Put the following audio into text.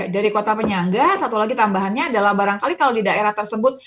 dari kota penyangga satu lagi tambahannya adalah barangkali kalau di daerah tersebut